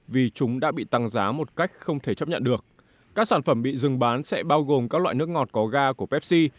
vì chúng đã bị tăng giá một cách không thể chấp nhận được các sản phẩm bị dừng bán sẽ bao gồm các loại nước ngọt có ga của pepsi